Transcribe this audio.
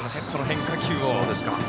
この変化球を。